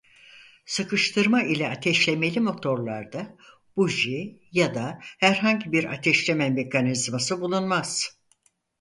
Sıkıştırma ile ateşlemeli motorlarda buji ya da herhangi bir ateşleme mekanizması bulunmaz.